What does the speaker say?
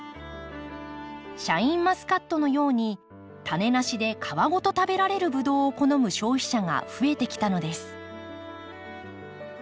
シャインマスカットのようにタネなしで皮ごと食べられるブドウを好む消費者が増えてきたのです。